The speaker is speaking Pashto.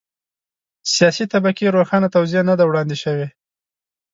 سیاسي طبقې روښانه توضیح نه ده وړاندې شوې.